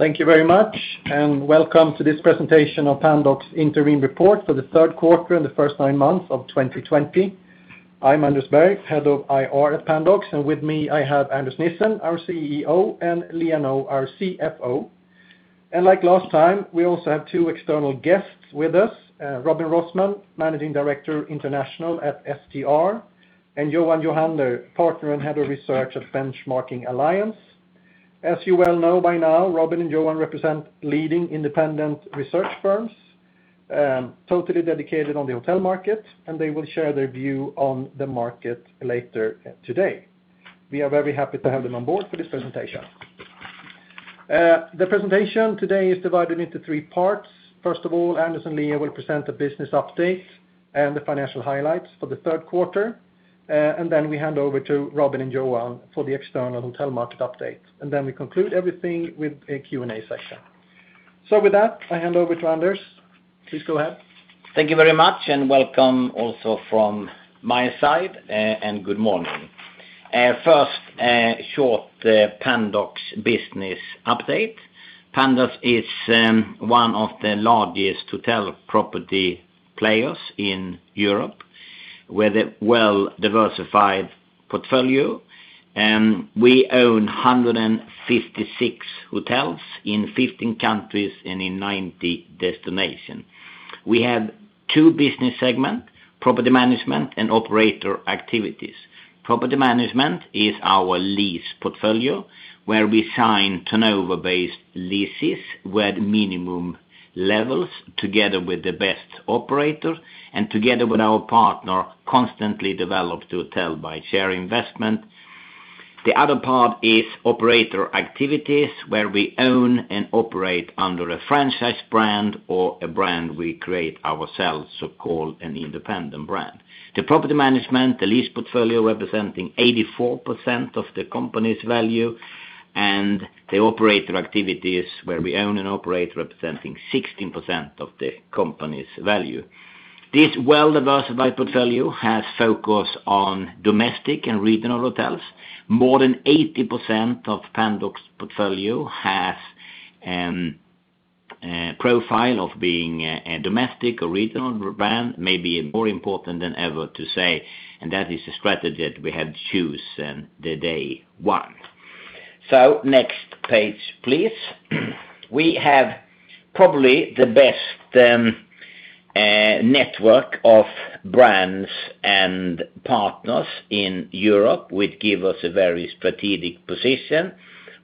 Thank you very much. Welcome to this presentation of Pandox Interim Report for the third quarter and the first nine months of 2020. I'm Anders Berg, Head of IR at Pandox. With me I have Anders Nissen, our CEO, and Liia Nõu our CFO. Like last time, we also have two external guests with us. Robin Rossmann, Managing Director International at STR, and Johan Johander, Partner and Head of Research at Benchmarking Alliance. As you well know by now, Robin and Johan represent leading independent research firms, totally dedicated on the hotel market, and they will share their view on the market later today. We are very happy to have them on board for this presentation. The presentation today is divided into three parts. First of all, Anders and Liia will present the business update and the financial highlights for the third quarter. We hand over to Robin and Johan for the external hotel market update. We conclude everything with a Q&A session. With that, I hand over to Anders. Please go ahead. Thank you very much, and welcome also from my side, and good morning. First, short Pandox business update. Pandox is one of the largest hotel property players in Europe with a well-diversified portfolio. We own 156 hotels in 15 countries and in 90 destinations. We have two business segments: Property Management and Operator Activities. Property Management is our lease portfolio, where we sign turnover-based leases with minimum levels together with the best operator, and together with our partner, constantly develop hotel by share investment. The other part is Operator Activities, where we own and operate under a franchise brand or a brand we create ourselves, so-called an independent brand. The Property Management, the lease portfolio representing 84% of the company's value, and the Operator Activities where we own and operate, representing 16% of the company's value. This well-diversified portfolio has focus on domestic and regional hotels. More than 80% of Pandox portfolio has profile of being a domestic or regional brand, maybe more important than ever to say. That is a strategy that we have choose the day one. Next page, please. We have probably the best network of brands and partners in Europe, which give us a very strategic position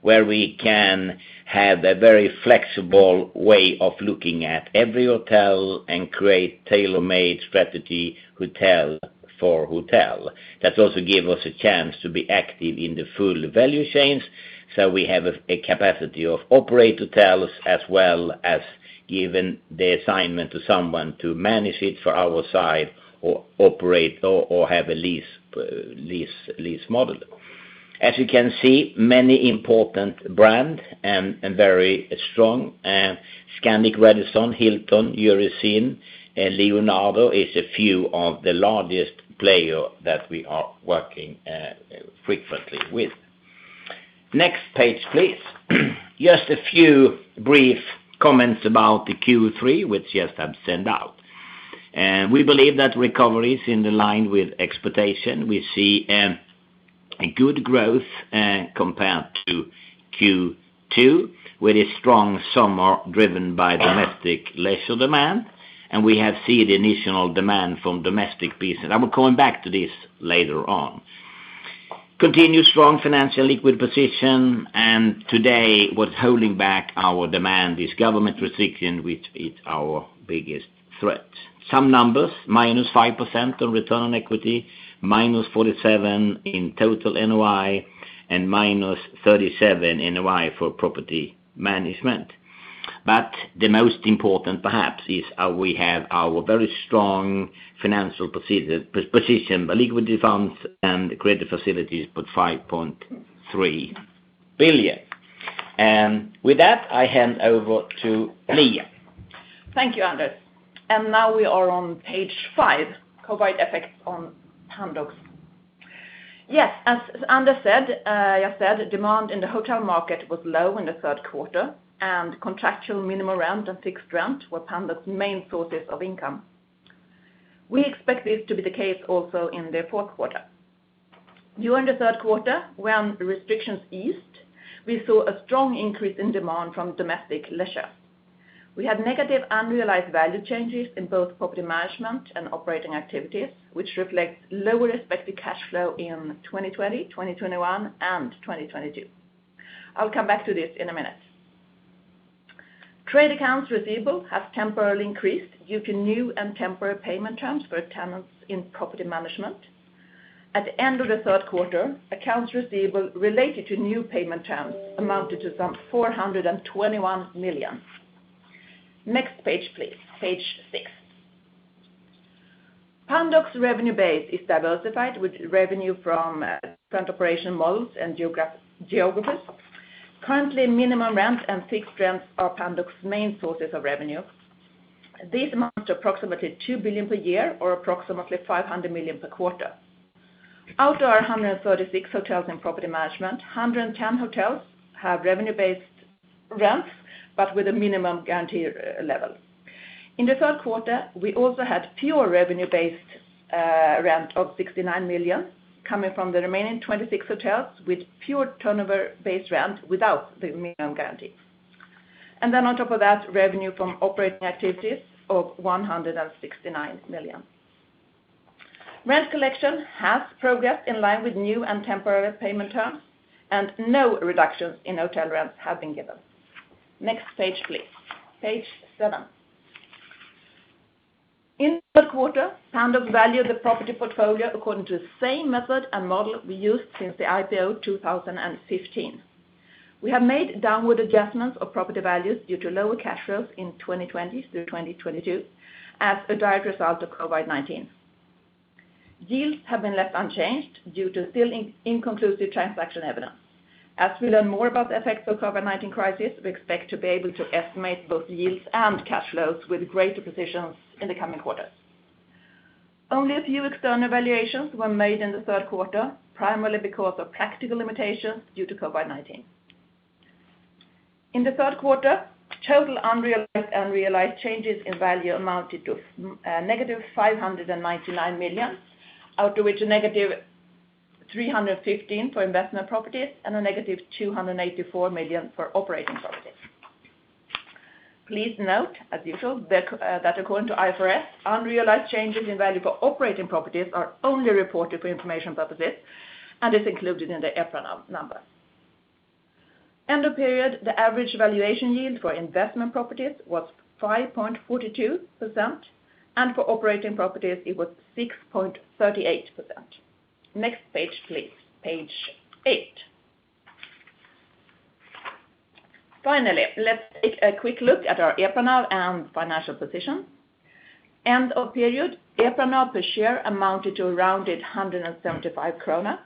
where we can have a very flexible way of looking at every hotel and create tailor-made strategy hotel for hotel. That also give us a chance to be active in the full value chains. We have a capacity of operate hotels as well as giving the assignment to someone to manage it for our side or operate or have a lease model. As you can see, many important brand and very strong. Scandic, Radisson, Hilton, Eurostars, and Leonardo is a few of the largest player that we are working frequently with. Next page, please. Just a few brief comments about the Q3, which just have sent out. We believe that recovery is in the line with expectation. We see a good growth compared to Q2 with a strong summer driven by domestic leisure demand, and we have seen the initial demand from domestic business. I will come back to this later on. Continuous strong financial liquid position, and today what's holding back our demand is government restriction, which is our biggest threat. Some numbers, -5% on return on equity, -47% in total NOI, and -37% NOI for Property Management. The most important perhaps is how we have our very strong financial position, the liquidity funds and the credit facilities, about 5.3 billion. With that, I hand over to Liia. Thank you, Anders. Now we are on page five, COVID effects on Pandox. Yes, as Anders said, demand in the hotel market was low in the third quarter, and contractual minimum rent and fixed rent were Pandox main sources of income. We expect this to be the case also in the fourth quarter. During the third quarter, when restrictions eased, we saw a strong increase in demand from domestic leisure. We had negative unrealized value changes in both Property Management and Operating Activities, which reflects lower expected cash flow in 2020, 2021, and 2022. I'll come back to this in a minute. Trade accounts receivable have temporarily increased due to new and temporary payment terms for tenants in Property Management. At the end of the third quarter, accounts receivable related to new payment terms amounted to some 421 million. Next page, please. Page six. Pandox revenue base is diversified with revenue from current operation models and geographies. Currently, minimum rent and fixed rents are Pandox main sources of revenue. These amount to approximately 2 billion per year or approximately 500 million per quarter. Out of our 136 hotels in Property Management, 110 hotels have revenue-based rents, but with a minimum guarantee level. In the third quarter, we also had pure revenue-based rent of 69 million, coming from the remaining 26 hotels with pure turnover-based rent without the minimum guarantee. Then on top of that, revenue from Operating Activities of 169 million. Rent collection has progressed in line with new and temporary payment terms, and no reductions in hotel rents have been given. Next page, please. Page seven. In the third quarter, Pandox valued the property portfolio according to the same method and model we used since the IPO 2015. We have made downward adjustments of property values due to lower cash flows in 2020 through 2022 as a direct result of COVID-19. Yields have been left unchanged due to still inconclusive transaction evidence. As we learn more about the effects of COVID-19 crisis, we expect to be able to estimate both yields and cash flows with greater precision in the coming quarters. Only a few external valuations were made in the third quarter, primarily because of practical limitations due to COVID-19. In the third quarter, total unrealized changes in value amounted to -599 million, out of which a -315 for investment properties and a -284 million for operating properties. Please note, as usual, that according to IFRS, unrealized changes in value for operating properties are only reported for information purposes and is included in the EPRA number. End of period, the average valuation yield for investment properties was 5.42%, and for operating properties, it was 6.38%. Next page, please. Page eight. Finally, let's take a quick look at our EPRA NAV and financial position. End of period, EPRA NAV per share amounted to around 175 krona.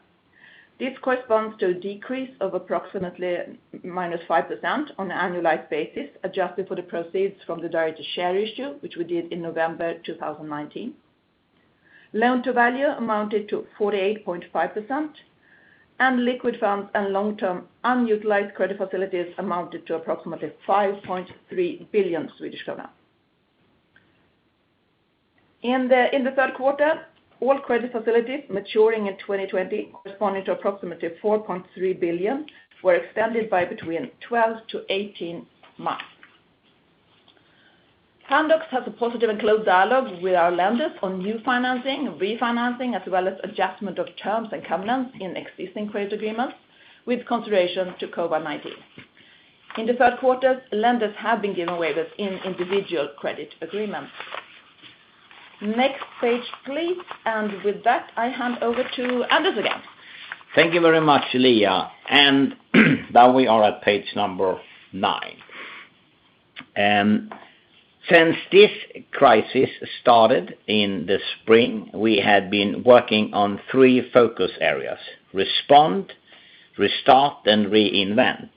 This corresponds to a decrease of approximately -5% on an annualized basis, adjusted for the proceeds from the directed share issue, which we did in November 2019. Loan-to-value amounted to 48.5%, and liquid funds and long-term unutilized credit facilities amounted to approximately 5.3 billion Swedish krona. In the third quarter, all credit facilities maturing in 2020 corresponding to approximately 4.3 billion, were extended by between 12-18 months. Pandox has a positive and close dialogue with our lenders on new financing, refinancing, as well as adjustment of terms and covenants in existing credit agreements with consideration to COVID-19. In the third quarter, lenders have been given waivers in individual credit agreements. Next page, please. With that, I hand over to Anders again. Thank you very much, Liia. Now we are at page number nine. Since this crisis started in the spring, we had been working on three focus areas: respond, restart, and reinvent.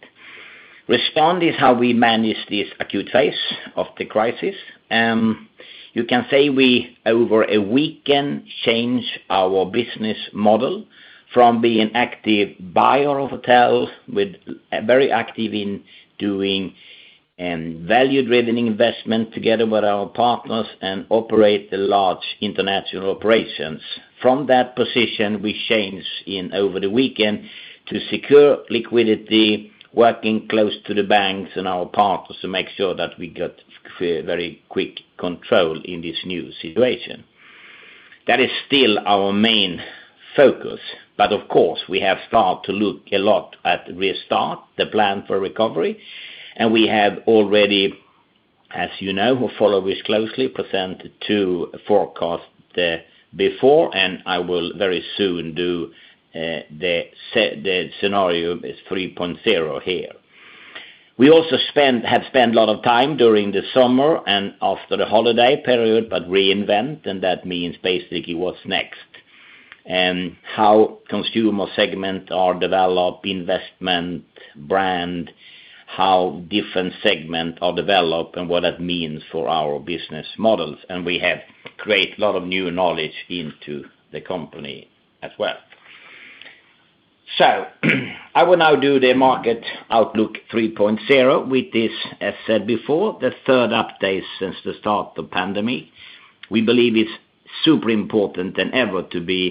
Respond is how we manage this acute phase of the crisis. You can say we, over a weekend, changed our business model from being active buyer of hotel, very active in doing value-driven investment together with our partners and operate the large international operations. From that position, we changed over the weekend to secure liquidity, working close to the banks and our partners to make sure that we got very quick control in this new situation. That is still our main focus, but of course, we have started to look a lot at restart, the plan for recovery. We have already, as you know, who follow this closely, presented two forecasts before, and I will very soon do the scenario is 3.0 here. We also have spent a lot of time during the summer and after the holiday period, but reinvent, and that means basically what's next. How consumer segments are developed, investment, brand, how different segments are developed and what that means for our business models. We have created a lot of new knowledge into the company as well. I will now do the market outlook 3.0 with this, as said before, the third update since the start of the pandemic. We believe it's super important than ever to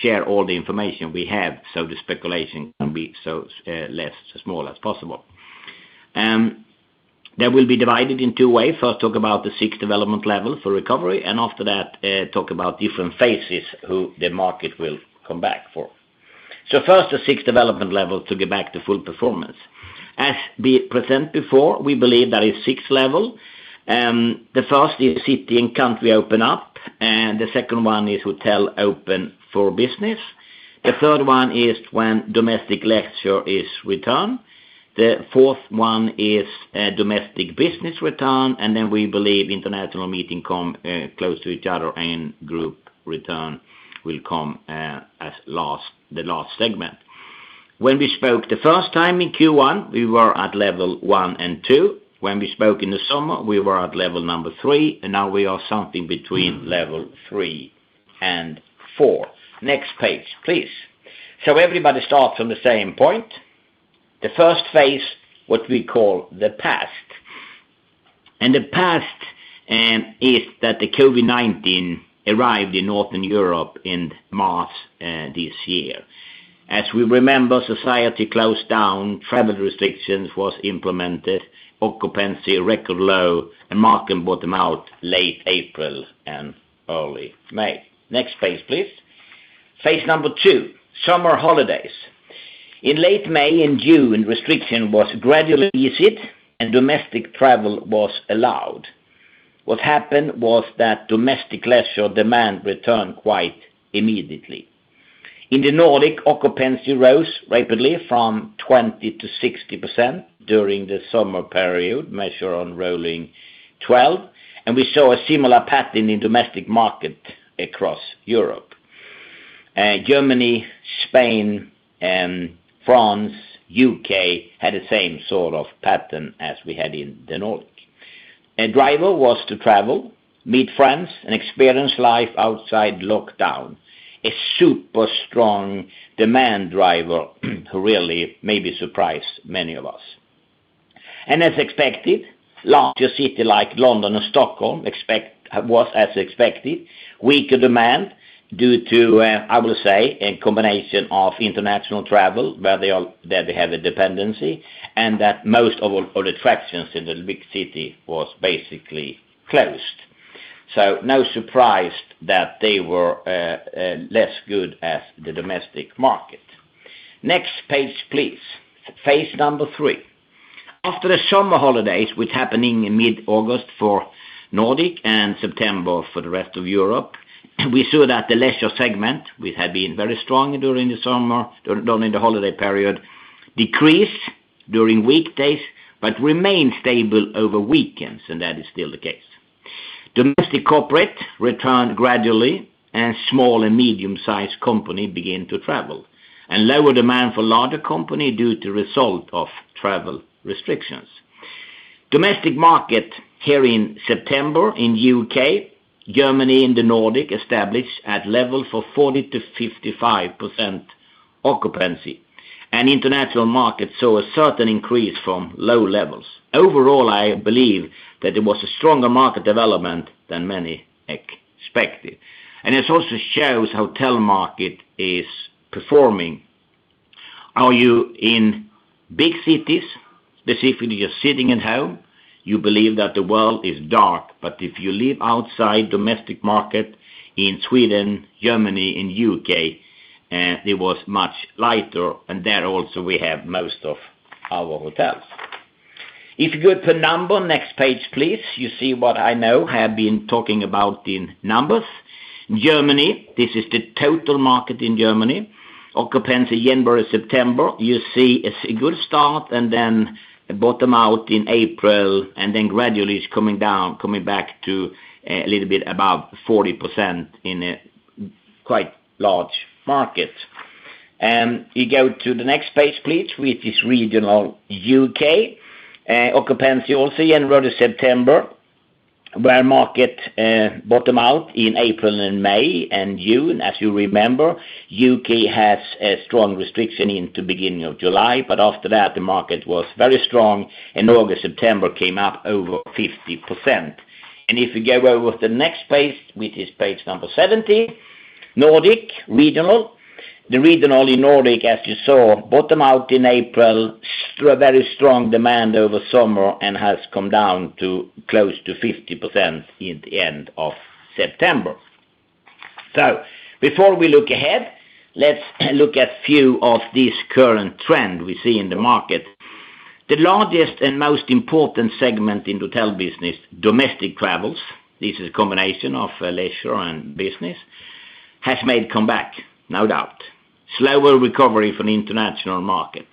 share all the information we have so the speculation can be small as possible. That will be divided in two ways. Talk about the six development levels for recovery, after that, talk about different phases that the market will come back for. First, the six development levels to get back to full performance. As we present before, we believe there is six levels. The first is city and country open up, the second one is hotel open for business. The third one is when domestic leisure is return. The fourth one is domestic business return, we believe international meeting come close to each other and group return will come as the last segment. When we spoke the first time in Q1, we were at level one and two. When we spoke in the summer, we were at level three, now we are something between level three and four. Next page, please. Everybody starts on the same point. The first phase, what we call the past. The past is that the COVID-19 arrived in Northern Europe in March this year. As we remember, society closed down, travel restrictions was implemented, occupancy record low, and market bottom out late April and early May. Next page, please. Phase II, summer holidays. In late May and June, restriction was gradually eased, and domestic travel was allowed. What happened was that domestic leisure demand returned quite immediately. In the Nordic, occupancy rose rapidly from 20% to 60% during the summer period, measured on rolling 12. We saw a similar pattern in domestic market across Europe. Germany, Spain, France, U.K. had the same sort of pattern as we had in the Nordic. A driver was to travel, meet friends, and experience life outside lockdown. A super strong demand driver who really maybe surprised many of us. As expected, larger city like London and Stockholm was as expected, weaker demand due to, I will say, a combination of international travel where they have a dependency and that most of the attractions in the big city was basically closed. No surprise that they were less good as the domestic market. Next page, please. Phase II. After the summer holidays, which happened in mid-August for Nordic and September for the rest of Europe, we saw that the leisure segment, which had been very strong during the summer, during the holiday period, decreased during weekdays but remained stable over weekends, and that is still the case. Domestic corporate returned gradually. Small and medium-sized company begin to travel. Lower demand for larger company due to result of travel restrictions. Domestic market here in September in U.K., Germany and the Nordic established at level for 40%-55% occupancy. International markets saw a certain increase from low levels. Overall, I believe that there was a stronger market development than many expected. This also shows hotel market is performing. Are you in big cities? Specifically, you're sitting at home, you believe that the world is dark. If you live outside domestic market in Sweden, Germany and U.K., it was much lighter and there also we have most of our hotels. If you go per number, next page please, you see what I know have been talking about in numbers. Germany, this is the total market in Germany. Occupancy January to September. You see a good start and then bottom out in April and then gradually it's coming back to a little bit above 40% in a quite large market. You go to the next page, please, which is regional U.K. Occupancy also January to September, where market bottomed out in April and May and June. As you remember, U.K. has a strong restriction into beginning of July, but after that the market was very strong and August, September came up over 50%. If you go over the next page, which is page number 70, Nordic regional. The regional in Nordic as you saw bottomed out in April, very strong demand over summer and has come down to close to 50% in the end of September. Before we look ahead, let's look at few of these current trend we see in the market. The largest and most important segment in hotel business, domestic travels, this is a combination of leisure and business, has made comeback, no doubt. Slower recovery from international markets.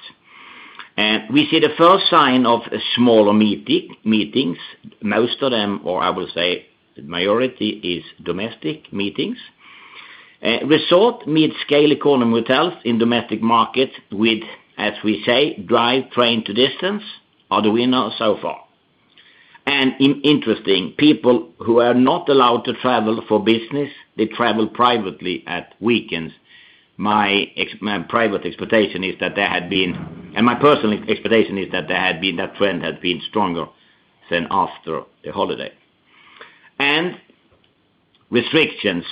We see the first sign of smaller meetings, most of them, or I will say the majority is domestic meetings. Resort mid-scale economy hotels in domestic markets with, as we say, drive, train to distance are the winner so far. Interesting, people who are not allowed to travel for business, they travel privately at weekends. My personal expectation is that trend had been stronger than after the holiday. Restrictions.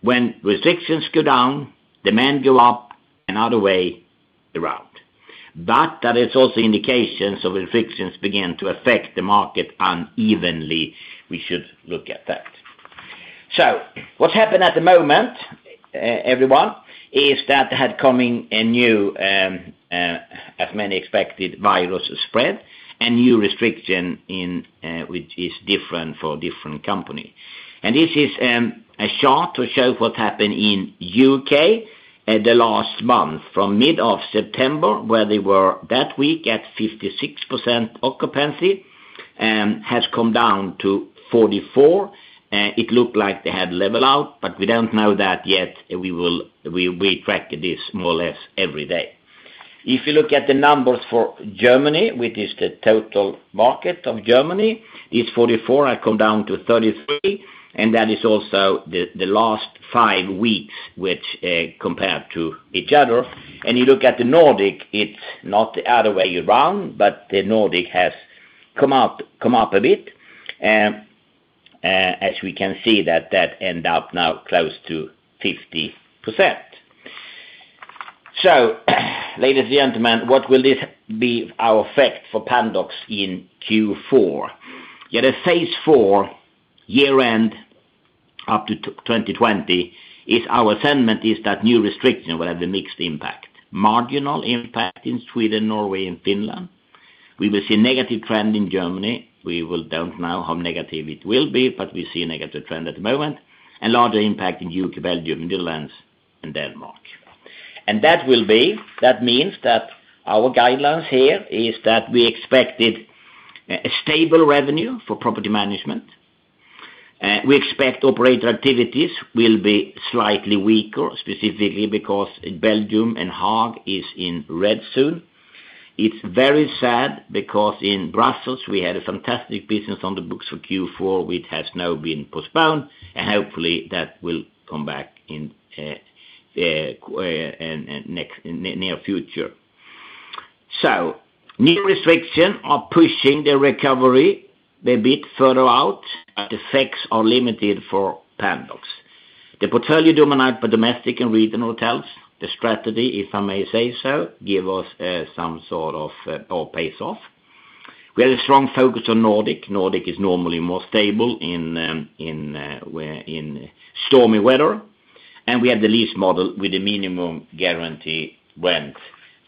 When restrictions go down, demand go up and other way around. There is also indications of restrictions begin to affect the market unevenly. We should look at that. What's happened at the moment, everyone, is that had coming a new, as many expected, virus spread and new restriction which is different for different company. This is a chart to show what happened in U.K. the last month from mid of September where they were that week at 56% occupancy, has come down to 44%. It looked like they had level out, but we don't know that yet. We track this more or less every day. If you look at the numbers for Germany, which is the total market of Germany, it's 44%, had come down to 33%, and that is also the last five weeks which compared to each other. You look at the Nordic, it's not the other way around, but the Nordic has come up a bit. We can see that end up now close to 50%. Ladies and gentlemen, what will this be our effect for Pandox in Q4? At phase IV, year-end up to 2020, is our sentiment is that new restriction will have a mixed impact. Marginal impact in Sweden, Norway and Finland. We will see negative trend in Germany. We don't know how negative it will be, but we see a negative trend at the moment. Larger impact in U.K., Belgium, Netherlands and Denmark. That means that our guidelines here is that we expected a stable revenue for Property Management. We expect operator activities will be slightly weaker, specifically because Belgium and The Hague is in red soon. It's very sad because in Brussels we had a fantastic business on the books for Q4, which has now been postponed, and hopefully that will come back in near future. New restriction are pushing the recovery a bit further out. The effects are limited for Pandox. The portfolio dominated by domestic and regional hotels. The strategy, if I may say so, give us some sort of payoff. We had a strong focus on Nordic. Nordic is normally more stable in stormy weather, and we have the lease model with the minimum guarantee rent.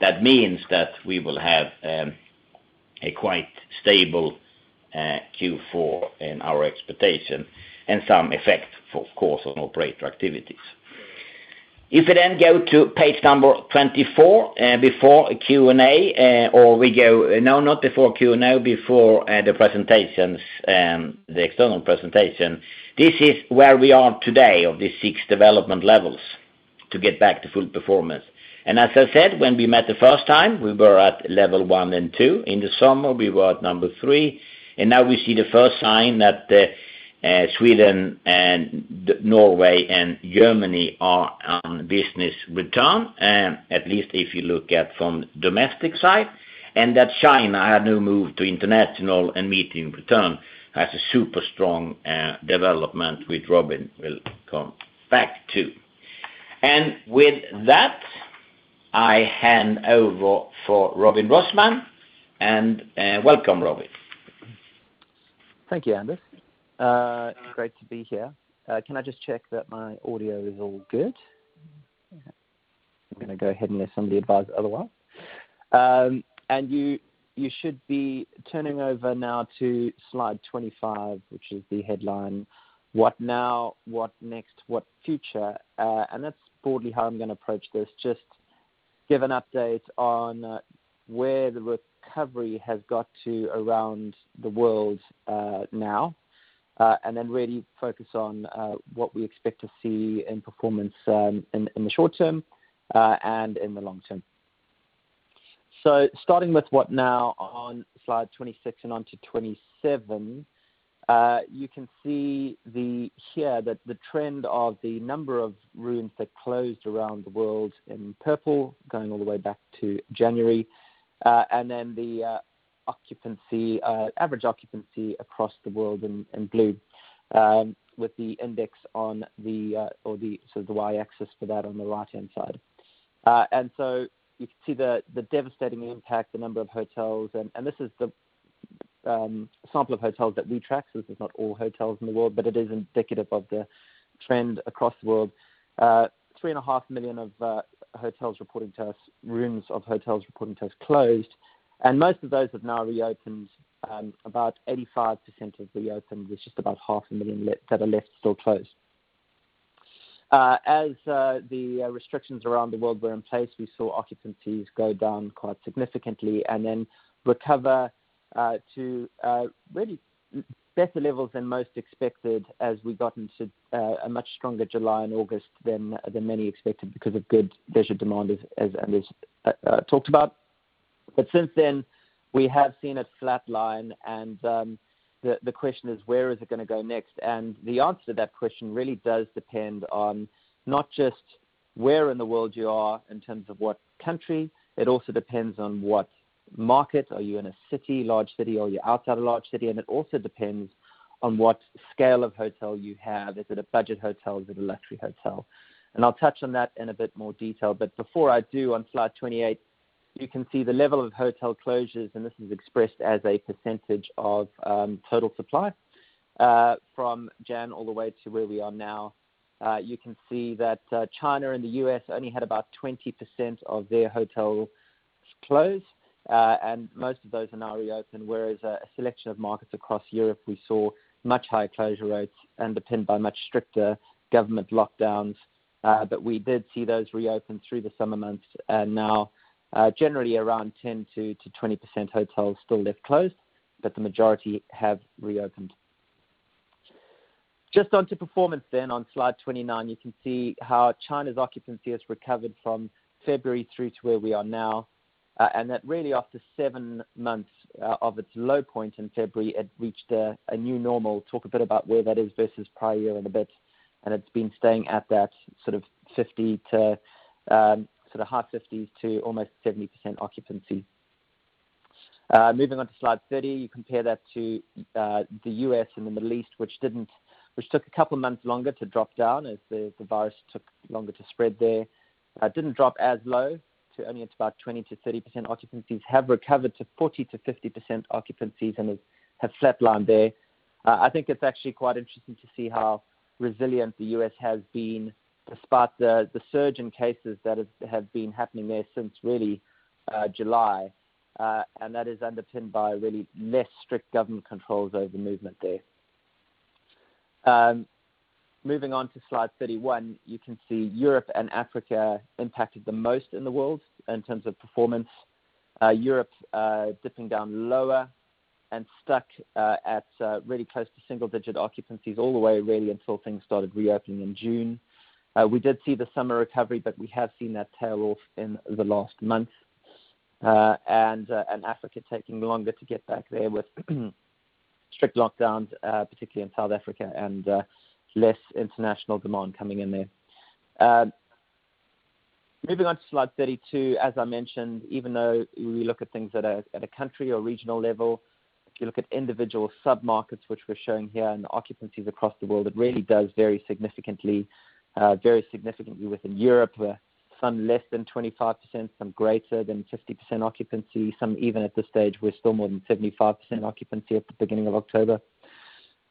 That means that we will have a quite stable Q4 in our expectation and some effect, of course, on operator activities. If you go to page number 24, not before Q&A, before the presentations, the external presentation. This is where we are today of these six development levels to get back to full performance. As I said, when we met the first time, we were at level one and two. In the summer, we were at number three, now we see the first sign that Sweden and Norway and Germany are on business return, at least if you look at from domestic side. That China had now moved to international and meeting return has a super strong development with Robin will come back to. With that, I hand over for Robin Rossmann. Welcome, Robin. Thank you, Anders. It's great to be here. Can I just check that my audio is all good? I'm going to go ahead and assume the above otherwise. You should be turning over now to slide 25, which is the headline, what now, what next, what future? That's broadly how I'm going to approach this. Just give an update on where the recovery has got to around the world now, and then really focus on what we expect to see in performance in the short term and in the long term. Starting with what now on slide 26 and onto 27. You can see here that the trend of the number of rooms that closed around the world in purple going all the way back to January, then the average occupancy across the world in blue, with the index on the sort of the y-axis for that on the right-hand side. You can see the devastating impact, the number of hotels, and this is the sample of hotels that we track. This is not all hotels in the world, but it is indicative of the trend across the world. 3.5 million of hotels reporting to us, rooms of hotels reporting to us closed, and most of those have now reopened. About 85% have reopened, with just about 0.5 million that are left still closed. As the restrictions around the world were in place, we saw occupancies go down quite significantly and then recover to really better levels than most expected as we got into a much stronger July and August than many expected because of good leisure demand, as Anders talked about. Since then we have seen a flatline. The question is, where is it going to go next? The answer to that question really does depend on not just where in the world you are in terms of what country. It also depends on what market. Are you in a city, large city, or are you outside a large city? It also depends on what scale of hotel you have. Is it a budget hotel? Is it a luxury hotel? I'll touch on that in a bit more detail. Before I do, on slide 28, you can see the level of hotel closures, and this is expressed as a percentage of total supply from January all the way to where we are now. You can see that China and the U.S. only had about 20% of their hotels closed, and most of those are now reopened, whereas a selection of markets across Europe, we saw much higher closure rates and underpinned by much stricter government lockdowns. We did see those reopen through the summer months, and now generally around 10%-20% hotels still left closed, but the majority have reopened. Onto performance then, on slide 29, you can see how China's occupancy has recovered from February through to where we are now, and that really after seven months of its low point in February, it reached a new normal. Talk a bit about where that is versus prior year in a bit, and it's been staying at that sort of high 50% to almost 70% occupancy. Moving on to slide 30. You compare that to the U.S. and the Middle East, which took a couple of months longer to drop down as the virus took longer to spread there. Didn't drop as low to only it's about 20%-30% occupancies. Have recovered to 40%-50% occupancies, and have flatlined there. I think it's actually quite interesting to see how resilient the U.S. has been despite the surge in cases that have been happening there since really July. That is underpinned by really less strict government controls over movement there. Moving on to slide 31. You can see Europe and Africa impacted the most in the world in terms of performance. Europe dipping down lower and stuck at really close to single-digit occupancies all the way, really until things started reopening in June. We did see the summer recovery, but we have seen that tail off in the last month. Africa taking longer to get back there with strict lockdowns, particularly in South Africa, and less international demand coming in there. Moving on to slide 32. As I mentioned, even though we look at things at a country or regional level, if you look at individual sub-markets, which we're showing here, and occupancies across the world, it really does vary significantly within Europe. Some less than 25%, some greater than 50% occupancy, some even at this stage, we're still more than 75% occupancy at the beginning of October.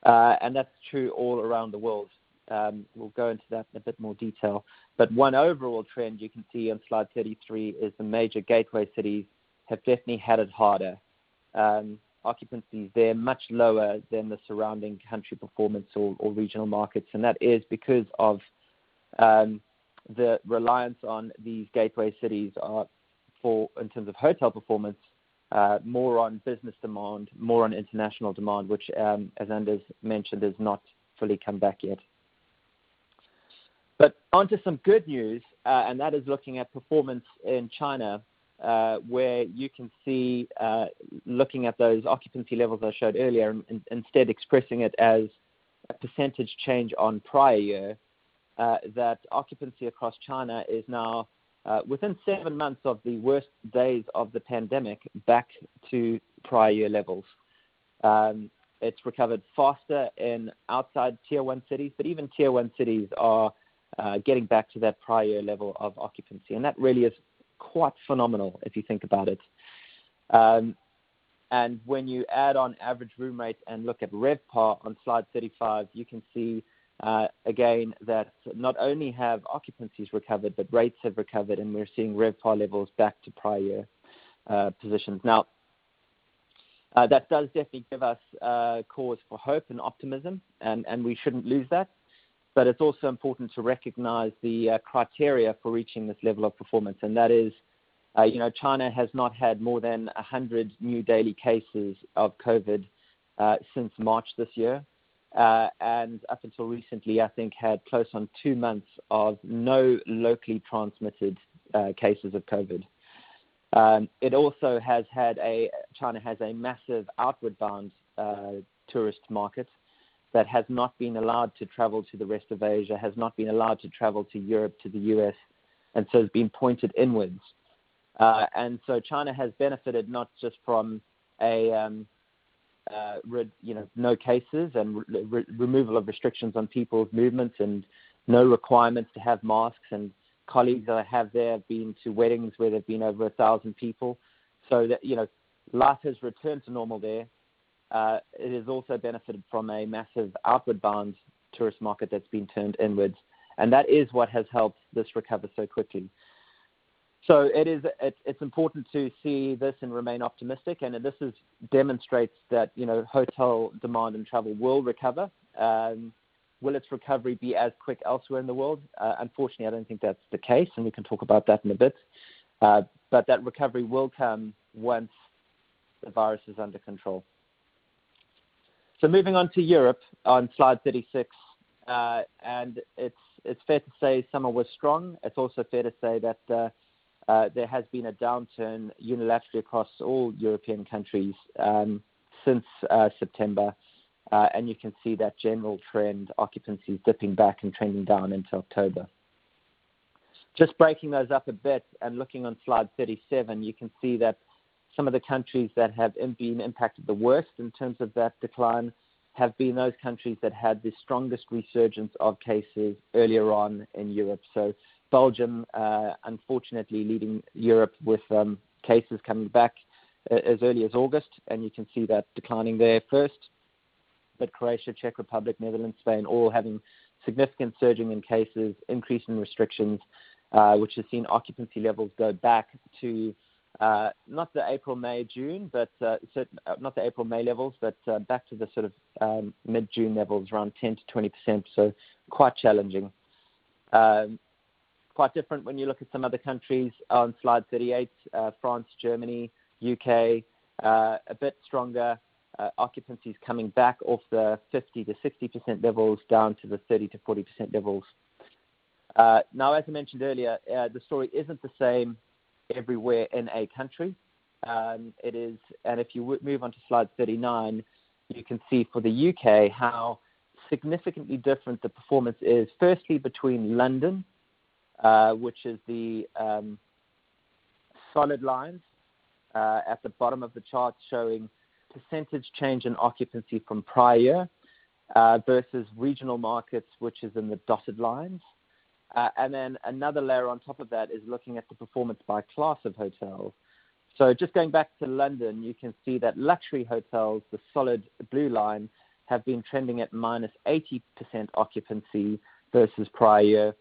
That's true all around the world. We'll go into that in a bit more detail. One overall trend you can see on slide 33 is the major gateway cities have definitely had it harder. Occupancies there much lower than the surrounding country performance or regional markets. That is because of the reliance on these gateway cities in terms of hotel performance, more on business demand, more on international demand, which, as Anders mentioned, has not fully come back yet. Onto some good news, that is looking at performance in China, where you can see, looking at those occupancy levels I showed earlier, instead expressing it as a percentage change on prior year, that occupancy across China is now within seven months of the worst days of the pandemic, back to prior year levels. It's recovered faster in outside tier one cities, but even tier one cities are getting back to their prior year level of occupancy, and that really is quite phenomenal if you think about it. When you add on average room rates and look at RevPAR on slide 35, you can see again, that not only have occupancies recovered, but rates have recovered, and we're seeing RevPAR levels back to prior year positions. Now, that does definitely give us cause for hope and optimism, and we shouldn't lose that. It's also important to recognize the criteria for reaching this level of performance. That is, China has not had more than 100 new daily cases of COVID since March this year. Up until recently, I think had close on two months of no locally transmitted cases of COVID. China has a massive outward bound tourist market that has not been allowed to travel to the rest of Asia, has not been allowed to travel to Europe, to the U.S., and so has been pointed inwards. China has benefited not just from no cases and removal of restrictions on people's movements and no requirements to have masks. Colleagues that I have there have been to weddings where there've been over 1,000 people. Life has returned to normal there. It has also benefited from a massive outward bound tourist market that's been turned inwards, and that is what has helped this recover so quickly. It's important to see this and remain optimistic, and this demonstrates that hotel demand and travel will recover. Will its recovery be as quick elsewhere in the world? Unfortunately, I don't think that's the case, and we can talk about that in a bit. That recovery will come once the virus is under control. Moving on to Europe on slide 36. It's fair to say summer was strong. It's also fair to say that there has been a downturn unilaterally across all European countries since September. You can see that general trend, occupancy dipping back and trending down into October. Just breaking those up a bit and looking on slide 37, you can see that some of the countries that have been impacted the worst in terms of that decline have been those countries that had the strongest resurgence of cases earlier on in Europe. Belgium, unfortunately, leading Europe with cases coming back as early as August, and you can see that declining there first. Croatia, Czech Republic, Netherlands, Spain, all having significant surging in cases, increase in restrictions, which has seen occupancy levels go back to not the April, May levels, but back to the sort of mid-June levels, around 10%-20%. Quite challenging. Quite different when you look at some other countries on slide 38. France, Germany, U.K., a bit stronger. Occupancy's coming back off the 50%-60% levels down to the 30%-40% levels. As I mentioned earlier, the story isn't the same everywhere in a country. If you move on to slide 39, you can see for the U.K. how significantly different the performance is. Firstly, between London, which is the solid lines at the bottom of the chart showing percentage change in occupancy from prior year, versus regional markets, which is in the dotted lines. Another layer on top of that is looking at the performance by class of hotels. Just going back to London, you can see that luxury hotels, the solid blue line, have been trending at -80% occupancy versus prior year.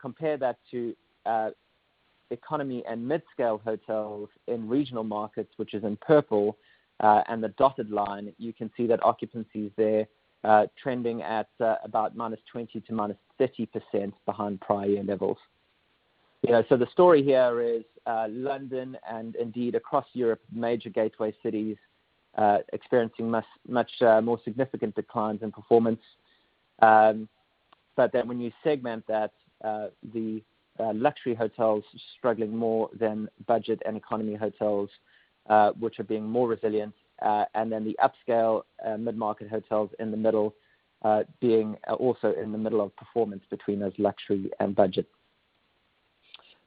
Compare that to economy and mid-scale hotels in regional markets, which is in purple, and the dotted line, you can see that occupancy's there trending at about -20% to -30% behind prior year levels. The story here is London and indeed across Europe, major gateway cities experiencing much more significant declines in performance. When you segment that, the luxury hotels struggling more than budget and economy hotels, which are being more resilient. The upscale mid-market hotels in the middle, being also in the middle of performance between those luxury and budget.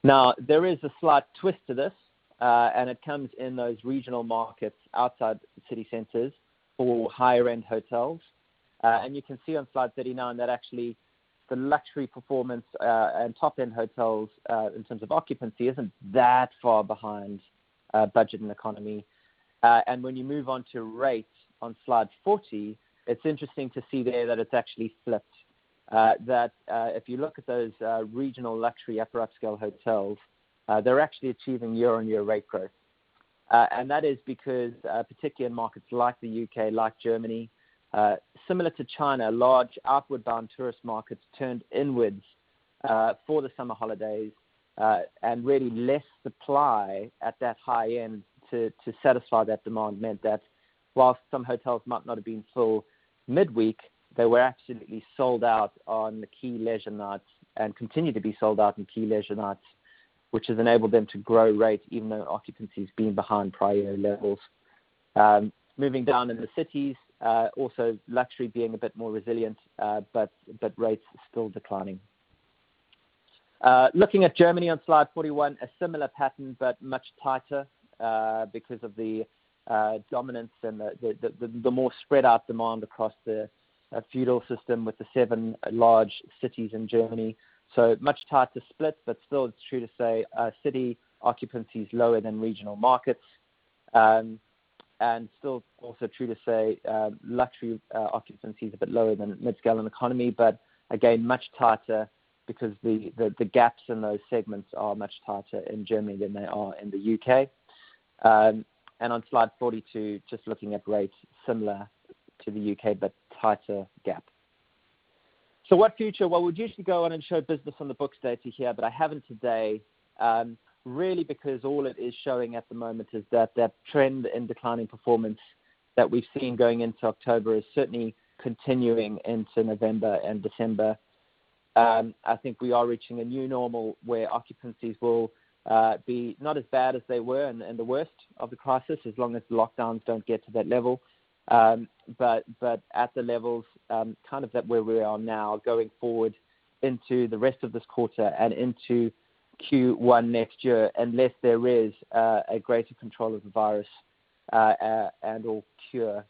There is a slight twist to this. It comes in those regional markets outside city centers for higher-end hotels. You can see on slide 39 that actually the luxury performance and top-end hotels, in terms of occupancy, isn't that far behind budget and economy. When you move on to rate on slide 40, it's interesting to see there that it's actually flipped. If you look at those regional luxury upper upscale hotels, they're actually achieving year-on-year rate growth. That is because, particularly in markets like the U.K., like Germany, similar to China, large outward bound tourist markets turned inwards for the summer holidays. Really less supply at that high end to satisfy that demand meant that whilst some hotels might not have been full midweek, they were absolutely sold out on the key leisure nights and continue to be sold out on key leisure nights, which has enabled them to grow rate even though occupancy's been behind prior year levels. Moving down in the cities, also luxury being a bit more resilient, but rates still declining. Looking at Germany on slide 41, a similar pattern, but much tighter, because of the dominance and the more spread out demand across the federal system with the seven large cities in Germany. Much tighter split, but still it's true to say city occupancy is lower than regional markets. Still also true to say luxury occupancy is a bit lower than mid-scale and economy, but again, much tighter because the gaps in those segments are much tighter in Germany than they are in the U.K. On slide 42, just looking at rates similar to the U.K., but tighter gap. What future? Well, we'd usually go on and show business on the books data here, but I haven't today, really because all it is showing at the moment is that trend in declining performance that we've seen going into October is certainly continuing into November and December. I think we are reaching a new normal where occupancies will be not as bad as they were in the worst of the crisis, as long as the lockdowns don't get to that level. At the levels, kind of that where we are now, going forward into the rest of this quarter and into Q1 next year, unless there is a greater control of the virus, and/or cure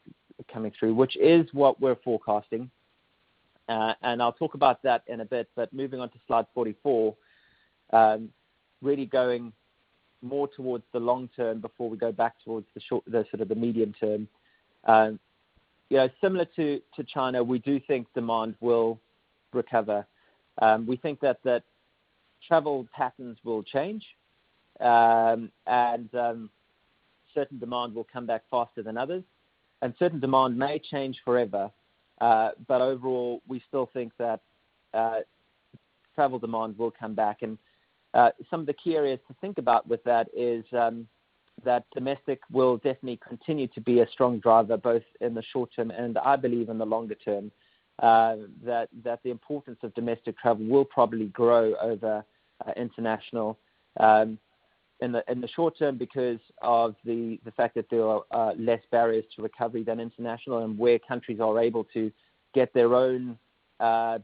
coming through, which is what we're forecasting. I'll talk about that in a bit, but moving on to slide 44. Really going more towards the long term before we go back towards the sort of the medium term. Similar to China, we do think demand will recover. We think that travel patterns will change, and certain demand will come back faster than others, and certain demand may change forever. Overall, we still think that travel demand will come back. Some of the key areas to think about with that is that domestic will definitely continue to be a strong driver, both in the short term and I believe in the longer term, that the importance of domestic travel will probably grow over international. In the short term because of the fact that there are less barriers to recovery than international, and where countries are able to get their own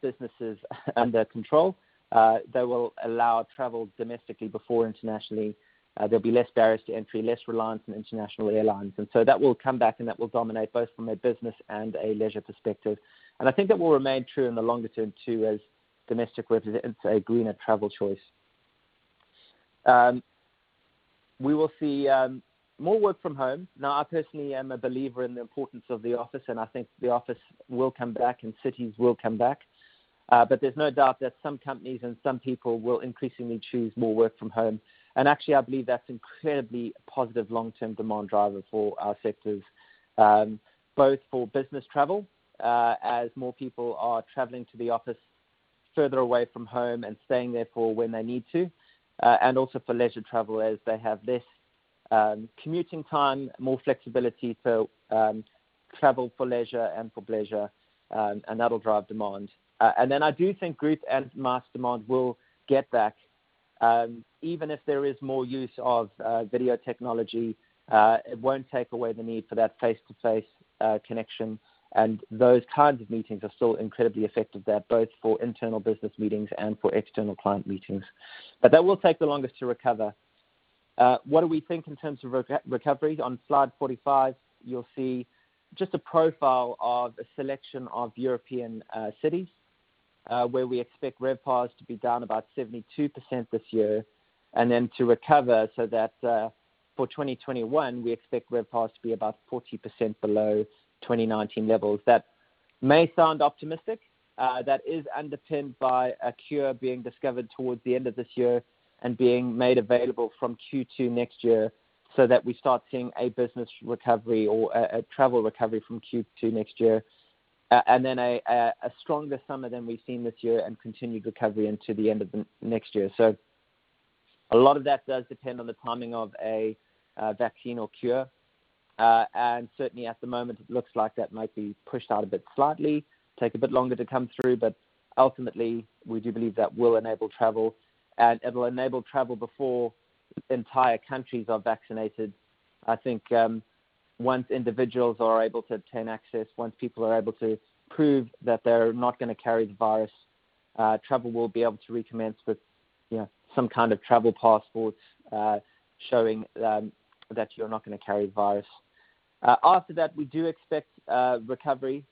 businesses under control, they will allow travel domestically before internationally. There'll be less barriers to entry, less reliance on international airlines. That will come back, and that will dominate both from a business and a leisure perspective. I think that will remain true in the longer term too, as domestic work is a greener travel choice. We will see more work from home. I personally am a believer in the importance of the office, and I think the office will come back and cities will come back. There's no doubt that some companies and some people will increasingly choose more work from home. Actually, I believe that's incredibly positive long-term demand driver for our sectors. Both for business travel, as more people are traveling to the office further away from home and staying there for when they need to. Also for leisure travelers, they have less commuting time, more flexibility to travel for leisure and for pleasure. That'll drive demand. Then I do think group and mass demand will get back. Even if there is more use of video technology, it won't take away the need for that face-to-face connection. Those kinds of meetings are still incredibly effective there, both for internal business meetings and for external client meetings. That will take the longest to recover. What do we think in terms of recovery? On slide 45, you'll see just a profile of a selection of European cities, where we expect RevPAR to be down about 72% this year. To recover so that for 2021, we expect RevPAR to be about 40% below 2019 levels. That may sound optimistic. That is underpinned by a cure being discovered towards the end of this year and being made available from Q2 next year, so that we start seeing a business recovery or a travel recovery from Q2 next year. A stronger summer than we've seen this year and continued recovery into the end of next year. A lot of that does depend on the timing of a vaccine or cure. Certainly at the moment, it looks like that might be pushed out a bit slightly, take a bit longer to come through, but ultimately, we do believe that will enable travel, and it'll enable travel before entire countries are vaccinated. I think once individuals are able to obtain access, once people are able to prove that they're not going to carry the virus, travel will be able to recommence with some kind of travel passports, showing that you're not going to carry the virus. After that, we do expect a recovery.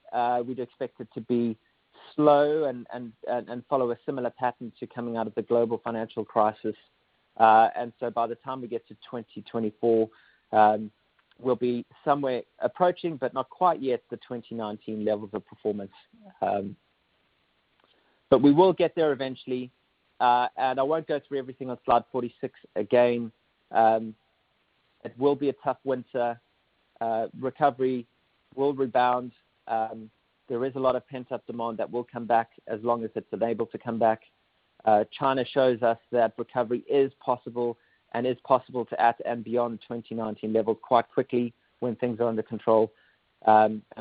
We'd expect it to be slow and follow a similar pattern to coming out of the global financial crisis. By the time we get to 2024, we'll be somewhere approaching, but not quite yet, the 2019 levels of performance. We will get there eventually. I won't go through everything on slide 46 again. It will be a tough winter. Recovery will rebound. There is a lot of pent-up demand that will come back as long as it's available to come back. China shows us that recovery is possible and is possible to at and beyond 2019 level quite quickly when things are under control.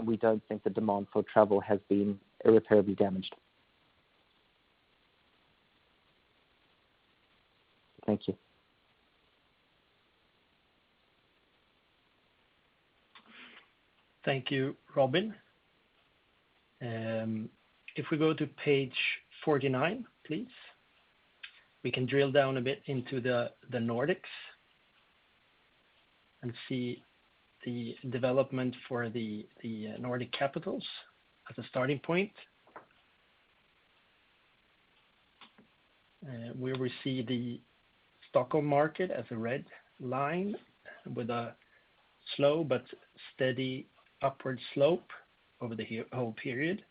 We don't think the demand for travel has been irreparably damaged. Thank you. Thank you, Robin. If we go to page 49, please. We can drill down a bit into the Nordics and see the development for the Nordic capitals as a starting point. Where we see the Stockholm market as a red line with a slow but steady upward slope over the whole period.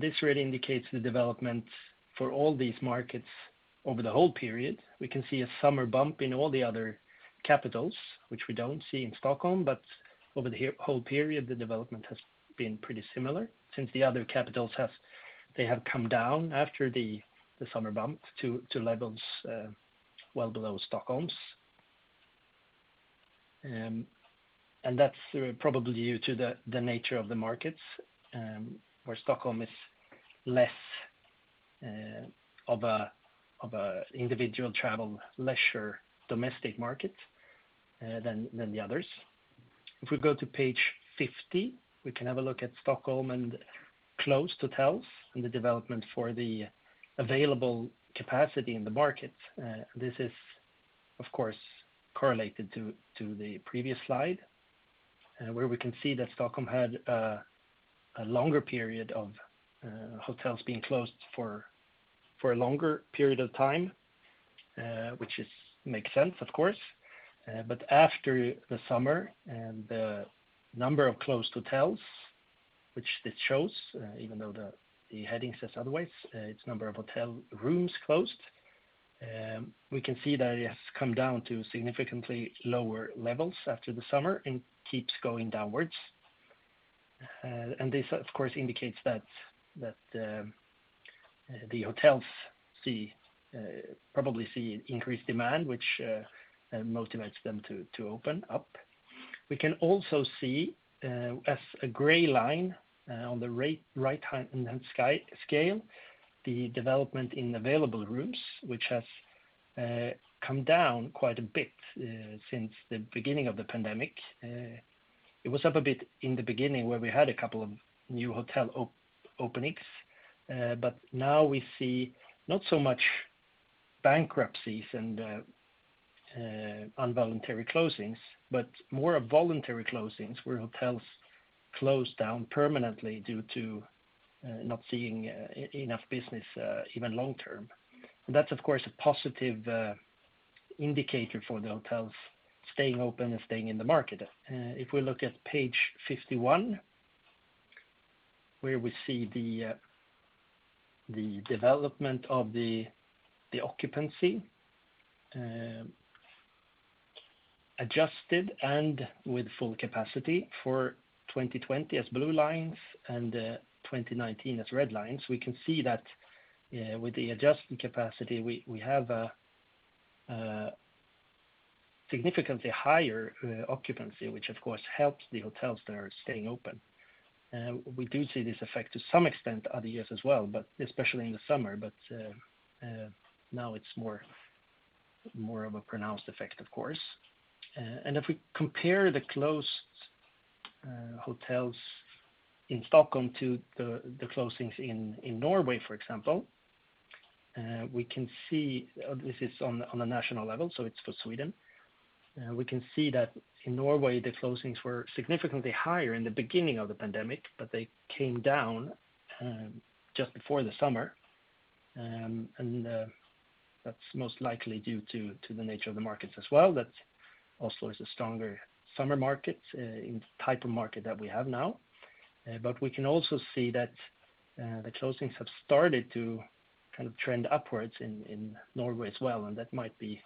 This really indicates the development for all these markets over the whole period. We can see a summer bump in all the other capitals, which we don't see in Stockholm, but over the whole period, the development has been pretty similar since the other capitals have come down after the summer bump to levels well below Stockholm's. That's probably due to the nature of the markets, where Stockholm is less of an individual travel leisure domestic market than the others. If we go to page 50, we can have a look at Stockholm and closed hotels and the development for the available capacity in the market. This is of course correlated to the previous slide, where we can see that Stockholm had hotels being closed for a longer period of time, which makes sense, of course. After the summer, and the number of closed hotels, which this shows, even though the heading says otherwise, it's number of hotel rooms closed. We can see that it has come down to significantly lower levels after the summer and keeps going downwards. This, of course, indicates that the hotels probably see increased demand, which motivates them to open up. We can also see, as a gray line on the right scale, the development in available rooms, which has come down quite a bit since the beginning of the pandemic. It was up a bit in the beginning where we had a couple of new hotel openings. Now we see not so much bankruptcies and involuntary closings, but more of voluntary closings, where hotels close down permanently due to not seeing enough business, even long-term. That's, of course, a positive indicator for the hotels staying open and staying in the market. If we look at page 51, where we see the development of the occupancy. Adjusted and with full capacity for 2020 as blue lines and 2019 as red lines. We can see that with the adjusted capacity, we have a significantly higher occupancy, which of course helps the hotels that are staying open. We do see this effect to some extent other years as well, but especially in the summer. Now it's more of a pronounced effect, of course. If we compare the closed hotels in Stockholm to the closings in Norway, for example, this is on a national level, so it's for Sweden. We can see that in Norway, the closings were significantly higher in the beginning of the pandemic, but they came down just before the summer. That's most likely due to the nature of the markets as well. That Oslo is a stronger summer market in the type of market that we have now. We can also see that the closings have started to trend upwards in Norway as well, and that might be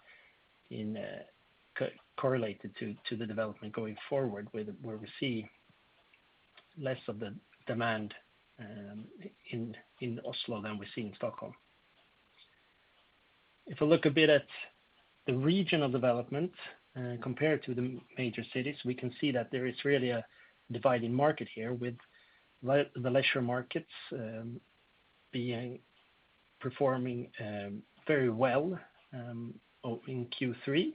correlated to the development going forward, where we see less of the demand in Oslo than we see in Stockholm. If we look a bit at the regional development compared to the major cities, we can see that there is really a dividing market here with the leisure markets performing very well in Q3.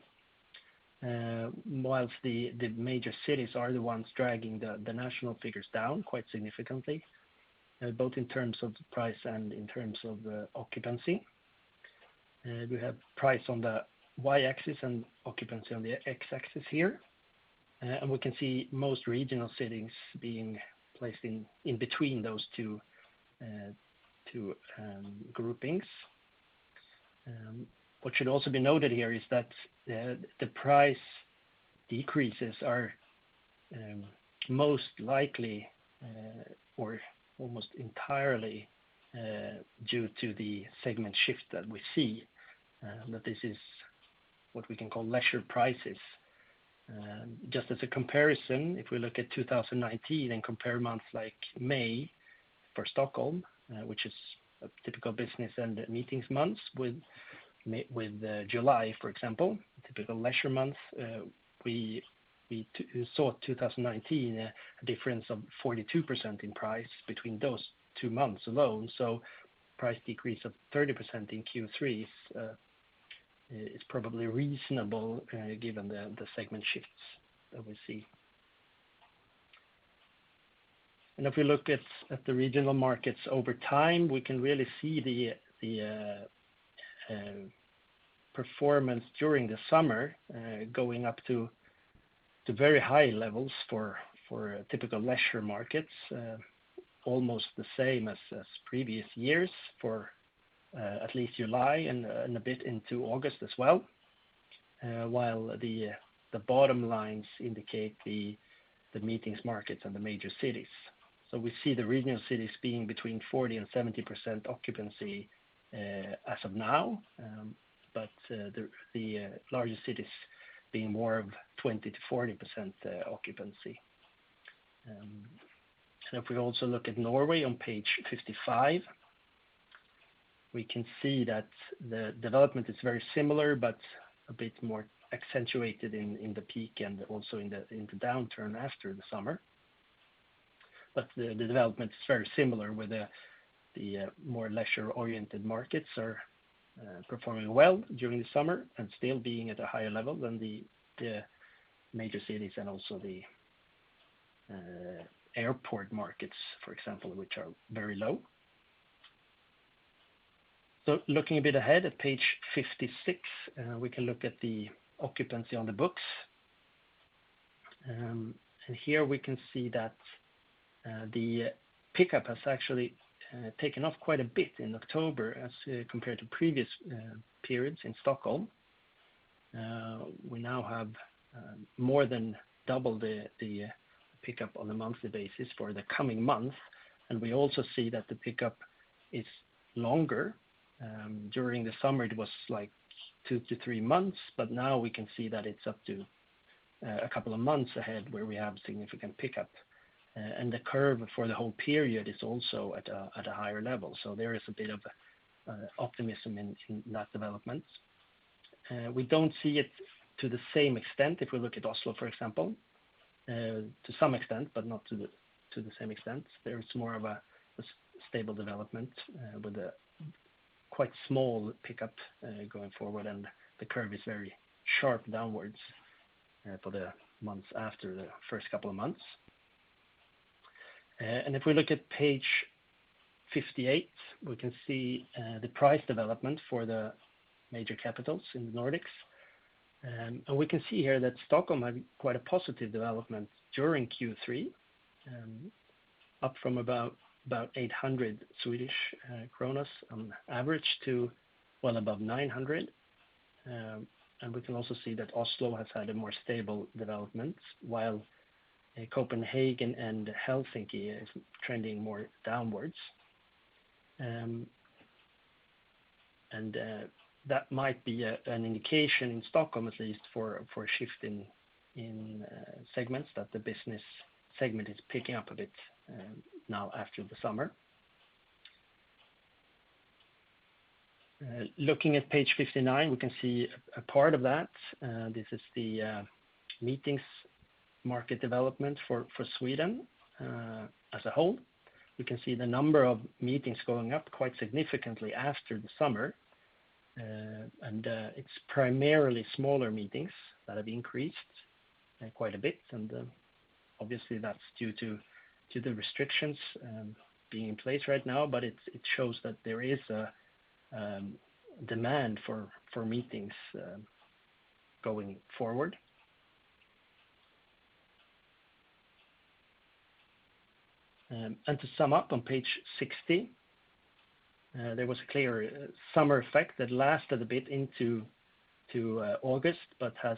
Whilst the major cities are the ones dragging the national figures down quite significantly, both in terms of price and in terms of occupancy. We have price on the y-axis and occupancy on the x-axis here. We can see most regional cities being placed in between those two groupings. What should also be noted here is that the price decreases are most likely or almost entirely due to the segment shift that we see. That this is what we can call leisure prices. J ust as a comparison, if we look at 2019 and compare months like May for Stockholm, which is a typical business and meetings month, with July, for example, typical leisure month. We saw 2019, a difference of 42% in price between those two months alone. Price decrease of 30% in Q3 is probably reasonable given the segment shifts that we see. If we look at the regional markets over time, we can really see the performance during the summer going up to very high levels for typical leisure markets. Almost the same as previous years for at least July and a bit into August as well. While the bottom lines indicate the meetings markets and the major cities. We see the regional cities being between 40% and 70% occupancy as of now. The largest cities being more of 20%-40% occupancy. If we also look at Norway on page 55, we can see that the development is very similar, but a bit more accentuated in the peak and also in the downturn after the summer. The development is very similar, where the more leisure-oriented markets are performing well during the summer and still being at a higher level than the major cities and also the airport markets, for example, which are very low. Looking a bit ahead at page 56, we can look at the occupancy on the books. Here we can see that the pickup has actually taken off quite a bit in October as compared to previous periods in Stockholm. We now have more than double the pickup on a monthly basis for the coming month, and we also see that the pickup is longer. During the summer, it was two to three months, but now we can see that it's up to a couple of months ahead where we have significant pickup. The curve for the whole period is also at a higher level. There is a bit of optimism in that development. We don't see it to the same extent if we look at Oslo, for example. To some extent, not to the same extent. There is more of a stable development with a quite small pickup going forward, the curve is very sharp downwards for the months after the first couple of months. If we look at page 58, we can see the price development for the major capitals in the Nordics. We can see here that Stockholm had quite a positive development during Q3, up from about 800 on average to well above 900. We can also see that Oslo has had a more stable development while Copenhagen and Helsinki is trending more downwards. That might be an indication in Stockholm, at least for a shift in segments that the business segment is picking up a bit now after the summer. Looking at page 59, we can see a part of that. This is the meetings market development for Sweden as a whole. We can see the number of meetings going up quite significantly after the summer. It's primarily smaller meetings that have increased quite a bit. Obviously that's due to the restrictions being in place right now, but it shows that there is a demand for meetings going forward. To sum up on page 60, there was a clear summer effect that lasted a bit into August, but has